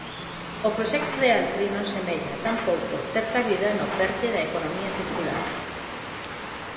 O proxecto de Altri non semella, tampouco, ter cabida no Perte da economía circular.